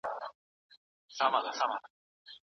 ته به په درمل پسي کوڅې د طبیب ستړي کې